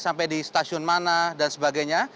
sampai di stasiun mana dan sebagainya